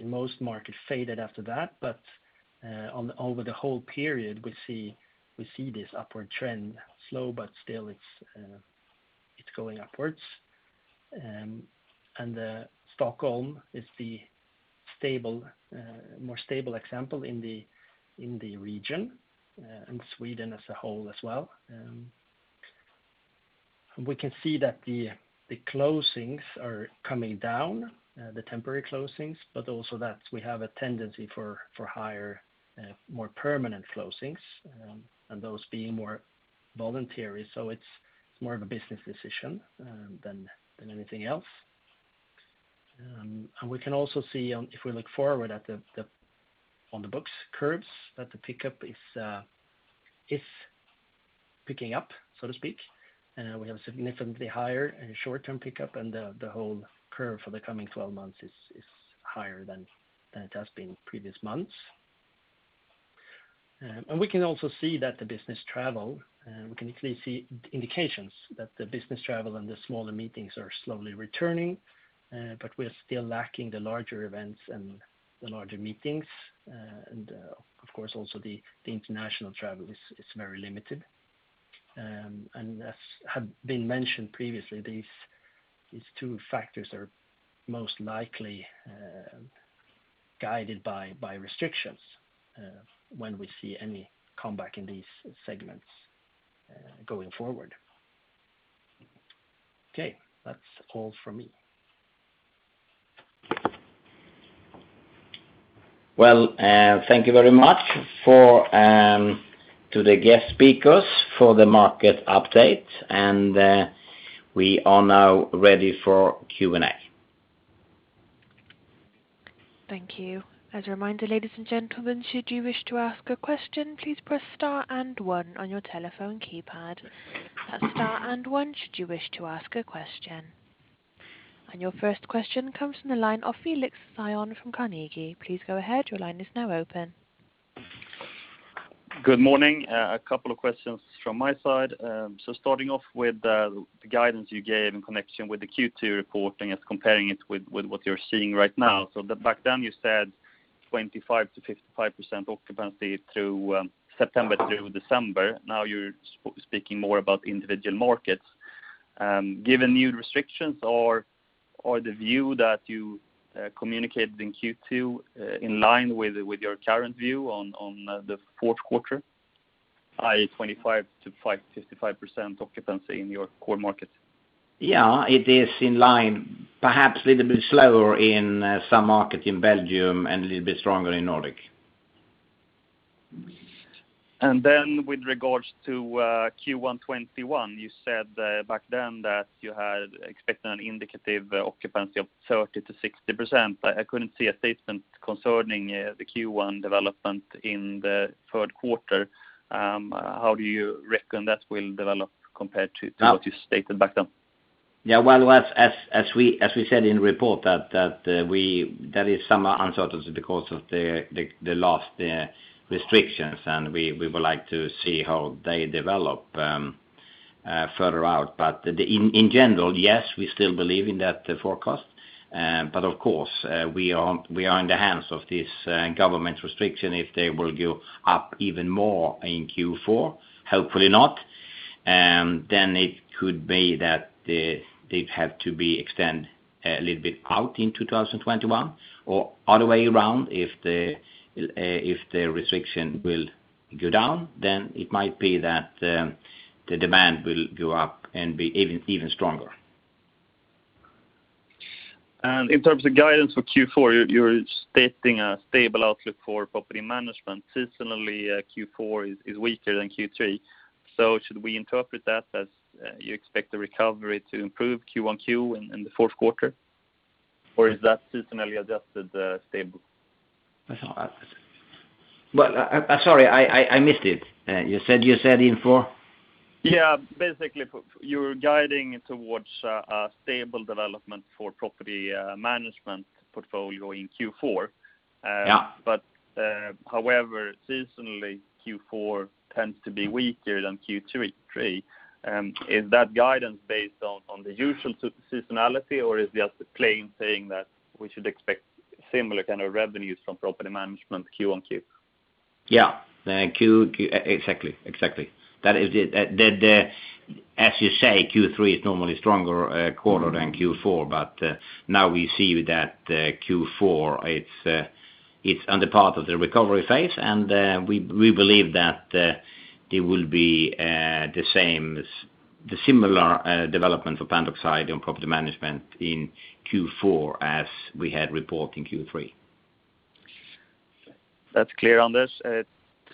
in most markets faded after that. Over the whole period, we see this upward trend slow, but still it's going upwards. Stockholm is the more stable example in the region and Sweden as a whole as well. We can see that the closings are coming down, the temporary closings, but also that we have a tendency for higher, more permanent closings. Those being more voluntary. It's more of a business decision than anything else. We can also see if we look forward on the books curves that the pickup is picking up, so to speak. We have a significantly higher short-term pickup and the whole curve for the coming 12 months is higher than it has been previous months. We can also see indications that the business travel and the smaller meetings are slowly returning. We are still lacking the larger events and the larger meetings. Of course, also the international travel is very limited. As had been mentioned previously, these two factors are most likely guided by restrictions when we see any comeback in these segments going forward. Okay. That's all from me. Well, thank you very much to the guest speakers for the market update. We are now ready for Q&A. Thank you. As a reminder, ladies and gentlemen, should you wish to ask a question, please press star and one on your telephone keypad. That's star and one should you wish to ask a question. Your first question comes from the line of Fredric Cyon from Carnegie. Please go ahead. Your line is now open. Good morning. A couple of questions from my side. Starting off with the guidance you gave in connection with the Q2 reporting as comparing it with what you're seeing right now. Back then you said 25%-55% occupancy through September through December. Now you're speaking more about individual markets. Given new restrictions or the view that you communicated in Q2 in line with your current view on the fourth quarter, i.e., 25%-55% occupancy in your core markets? Yeah, it is in line, perhaps a little bit slower in some markets in Belgium and a little bit stronger in Nordic. With regards to Q1 2021, you said back then that you had expected an indicative occupancy of 30%-60%. I couldn't see a statement concerning the Q1 development in the third quarter. How do you reckon that will develop compared to what you stated back then? Yeah. Well, as we said in report that there is some uncertainty because of the last restrictions, we would like to see how they develop further out. In general, yes, we still believe in that forecast. Of course, we are in the hands of this government restriction. If they will go up even more in Q4, hopefully not, it could be that they have to be extended a little bit out in 2021 or other way around. If the restriction will go down, it might be that the demand will go up and be even stronger. In terms of guidance for Q4, you're stating a stable outlook for Property Management. Seasonally, Q4 is weaker than Q3. Should we interpret that as you expect the recovery to improve QoQ in the fourth quarter? Or is that seasonally adjusted stable? Well, sorry, I missed it. You said in four? Yeah. Basically, you're guiding towards a stable development for Property Management portfolio in Q4. Yeah. However, seasonally Q4 tends to be weaker than Q3. Is that guidance based on the usual seasonality or is just a plain saying that we should expect similar kind of revenues from Property Management QoQ? Yeah. Exactly. As you say, Q3 is normally a stronger quarter than Q4. Now we see that Q4, it's on the part of the recovery phase, and we believe that it will be the similar development for Pandox side in Property Management in Q4 as we had report in Q3. That's clear, Anders.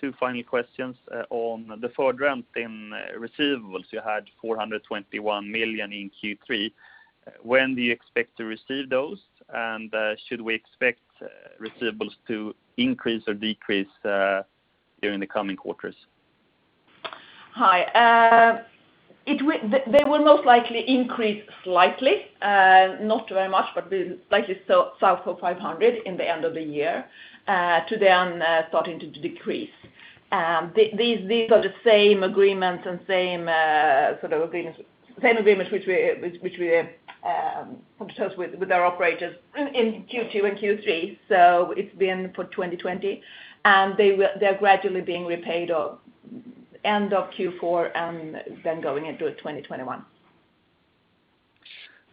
Two final questions. On the forward ramp in receivables, you had 421 million in Q3. When do you expect to receive those? Should we expect receivables to increase or decrease during the coming quarters? Hi. They will most likely increase slightly, not very much, but be slightly south of 500 in the end of the year, to then starting to decrease. These are the same agreements which we discussed with our operators in Q2 and Q3. It's been for 2020. They're gradually being repaid end of Q4 and then going into 2021.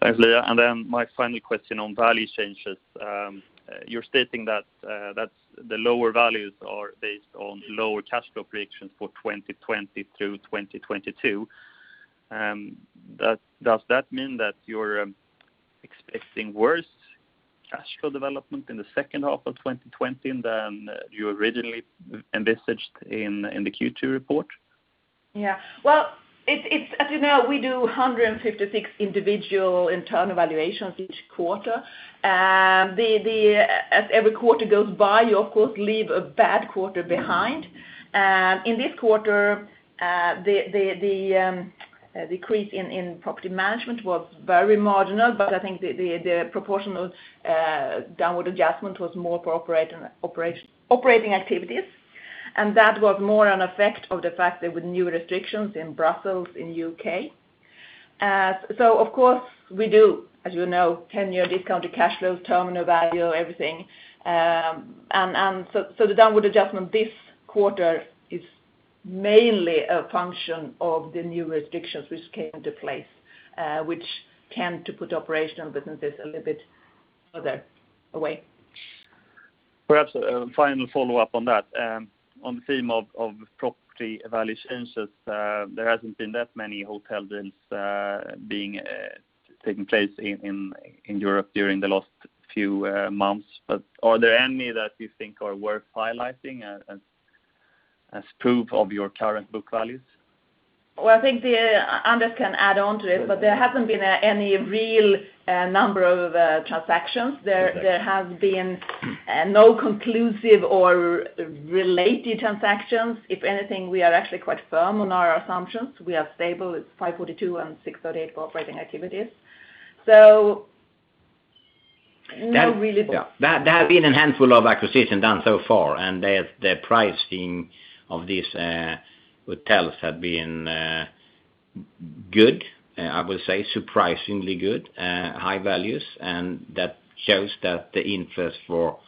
Thanks, Liia. My final question on value changes. You're stating that the lower values are based on lower cash flow projections for 2020 through 2022. Does that mean that you're expecting worse cash flow development in the second half of 2020 than you originally envisaged in the Q2 report? Yeah. As you know, we do 156 individual internal valuations each quarter. As every quarter goes by, you of course leave a bad quarter behind. In this quarter, the decrease in Property Management was very marginal, but I think the proportional downward adjustment was more for Operating Activities. That was more an effect of the fact there were new restrictions in Brussels, in U.K. Of course we do, as you know, 10-year discounted cash flow, terminal value, everything. The downward adjustment this quarter is mainly a function of the new restrictions which came into place which tend to put operational businesses a little bit further away. Perhaps a final follow-up on that. On the theme of property value changes, there hasn't been that many hotel deals taking place in Europe during the last few months. Are there any that you think are worth highlighting as proof of your current book values? Well, I think Anders can add on to it, there hasn't been any real number of transactions. There have been no conclusive or related transactions. If anything, we are actually quite firm on our assumptions. We are stable. It's 5.42% and 6.38% for Operating Activities. There have been a handful of acquisitions done so far, and the pricing of these hotels have been good. I would say surprisingly good, high values. That shows that the interest for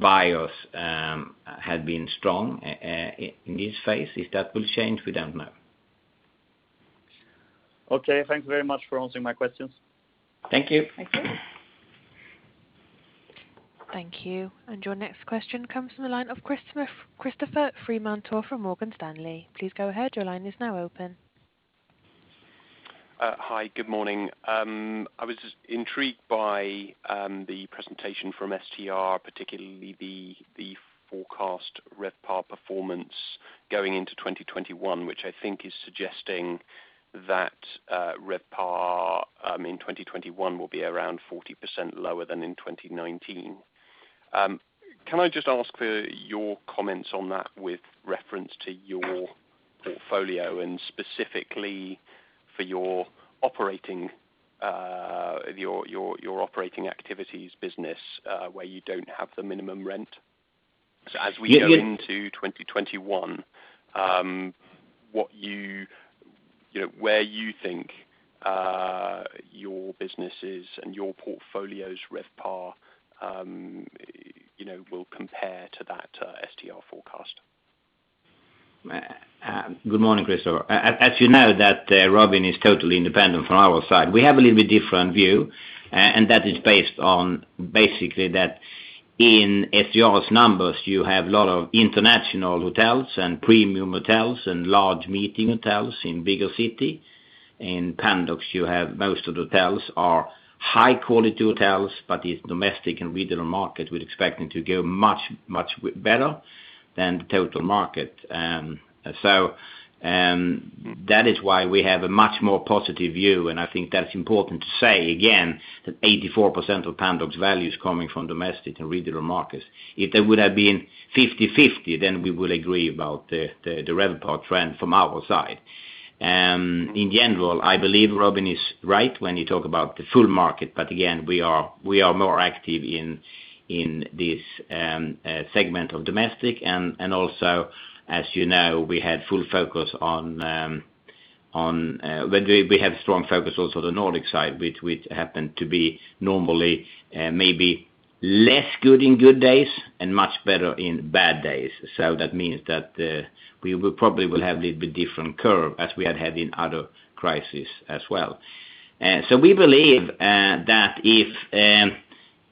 buyers has been strong in this phase. If that will change, we don't know. Okay. Thank you very much for answering my questions. Thank you. Thank you. Thank you. Your next question comes from the line of Christopher Fremantle from Morgan Stanley. Please go ahead. Hi. Good morning. I was just intrigued by the presentation from STR, particularly the forecast RevPAR performance going into 2021, which I think is suggesting that RevPAR in 2021 will be around 40% lower than in 2019. Can I just ask for your comments on that with reference to your portfolio and specifically for your Operating Activities business where you don't have the minimum rent? As we go into 2021, where you think your businesses and your portfolio's RevPAR will compare to that STR forecast? Good morning, Christopher. You know that Robin is totally independent from our side. We have a little bit different view, that is based on basically that in STR's numbers, you have a lot of international hotels and premium hotels and large meeting hotels in bigger city. In Pandox, you have most of the hotels are high-quality hotels. It's domestic and regional market, we're expecting to go much better than the total market. That is why we have a much more positive view, I think that's important to say again, that 84% of Pandox value is coming from domestic and regional markets. If they would have been 50/50, we will agree about the RevPAR trend from our side. In general, I believe Robin is right when he talk about the full market. Again, we are more active in this segment of domestic and also, as you know, we have strong focus also the Nordic side, which happen to be normally maybe less good in good days and much better in bad days. That means that we will probably have little bit different curve as we had in other crisis as well. We believe that if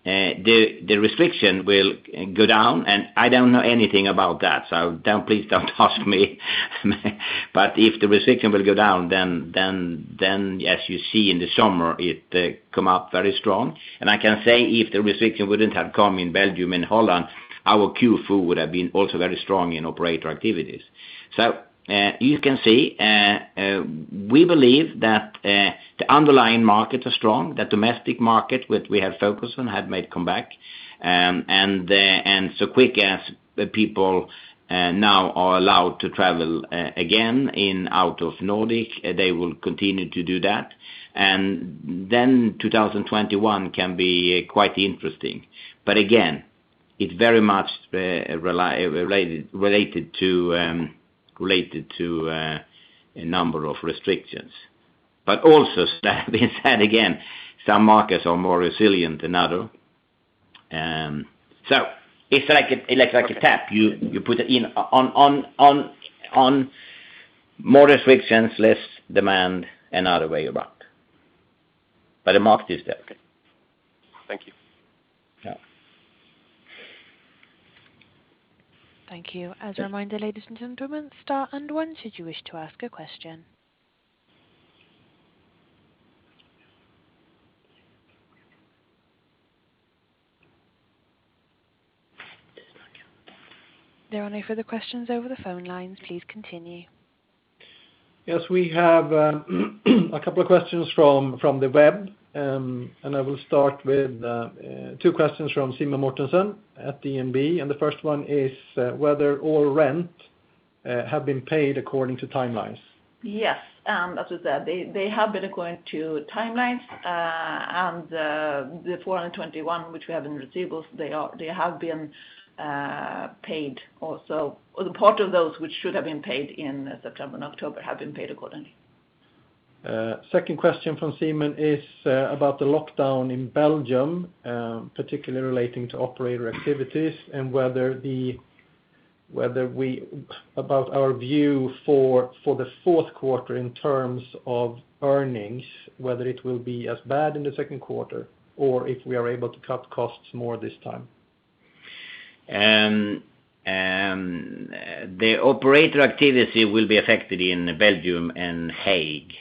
the restriction will go down, and I don't know anything about that, so please don't ask me. If the restriction will go down, then as you see in the summer, it come up very strong. I can say, if the restriction wouldn't have come in Belgium and Holland, our Q4 would have been also very strong in operator activities. You can see, we believe that the underlying markets are strong. The domestic market, which we have focused on, have made comeback. So quick as people now are allowed to travel again in out of Nordic, they will continue to do that. Then 2021 can be quite interesting. Again, it very much related to a number of restrictions. Also having said again, some markets are more resilient than other. So it's like a tap. You put it on more restrictions, less demand, and other way around. But the market is there. Thank you. Yeah. Thank you. As a reminder, ladies and gentlemen, star and one should you wish to ask a question. There are no further questions over the phone lines. Please continue. Yes, we have a couple of questions from the web. I will start with two questions from Simen Mortensen at DNB. The first one is whether all rent have been paid according to timelines. Yes. As I said, they have been according to timelines. The 421, which we have in receivables, they have been paid also. The part of those which should have been paid in September and October have been paid accordingly. Second question from Simen is about the lockdown in Belgium, particularly relating to operator activities and about our view for the fourth quarter in terms of earnings, whether it will be as bad in the second quarter or if we are able to cut costs more this time. The operator activity will be affected in Belgium and The Hague.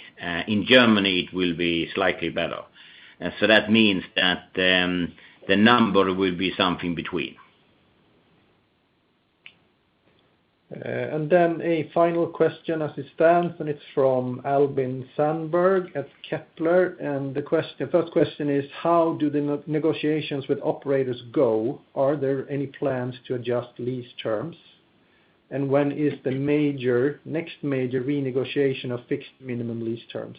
In Germany, it will be slightly better. That means that the number will be something between. A final question as it stands. It's from Albin Sandberg at Kepler. The first question is, how do the negotiations with operators go? Are there any plans to adjust lease terms? When is the next major renegotiation of fixed minimum lease terms?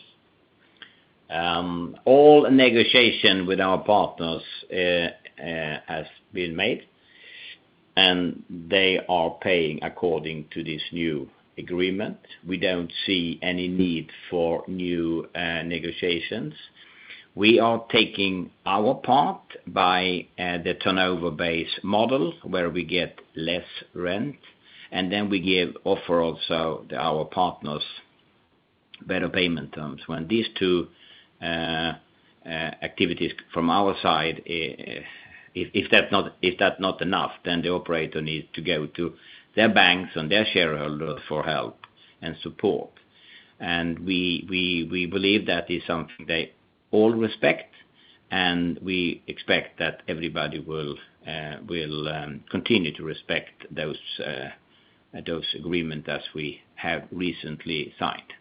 All negotiation with our partners has been made, they are paying according to this new agreement. We don't see any need for new negotiations. We are taking our part by the turnover-based model, where we get less rent, and then we offer also our partners better payment terms. When these two activities from our side, if that's not enough, then the operator needs to go to their banks and their shareholders for help and support. We believe that is something they all respect, and we expect that everybody will continue to respect those agreement as we have recently signed.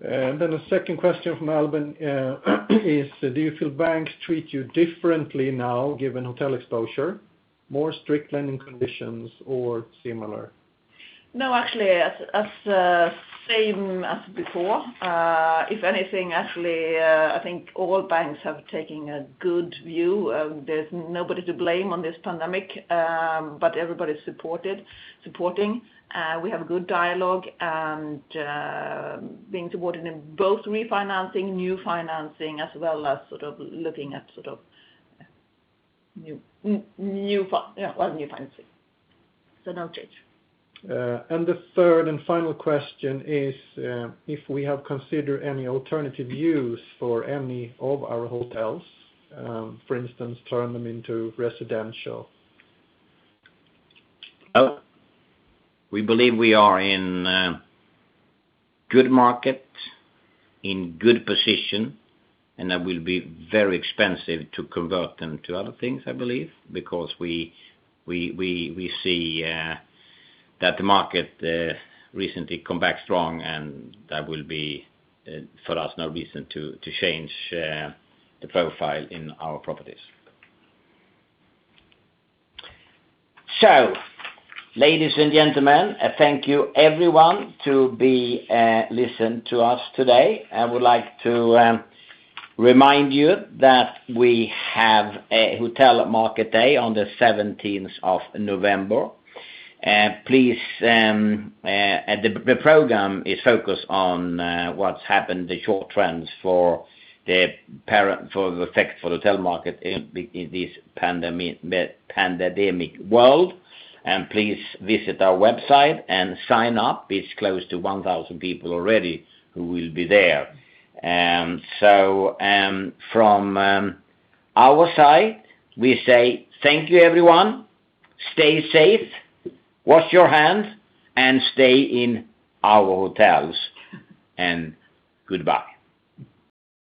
The second question from Albin is, do you feel banks treat you differently now, given hotel exposure? More strict lending conditions or similar? No, actually, as same as before. If anything, actually, I think all banks have taken a good view. There's nobody to blame on this pandemic, but everybody's supporting. We have good dialogue and being supported in both refinancing, new financing, as well as looking at new financing. No change. The third and final question is if we have considered any alternative use for any of our hotels, for instance, turn them into residential. No. We believe we are in good market, in good position. That will be very expensive to convert them to other things, I believe. We see that the market recently come back strong. That will be for us no reason to change the profile in our properties. Ladies and gentlemen, thank you everyone to be listened to us today. I would like to remind you that we have a hotel market day on the 17th of November. The program is focused on what's happened, the short trends for the effect for the hotel market in this pandemic world. Please visit our website and sign up. It's close to 1,000 people already who will be there. From our side, we say thank you, everyone. Stay safe, wash your hands, stay in our hotels. Goodbye.